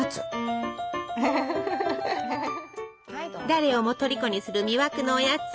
誰をもとりこにする魅惑のおやつ。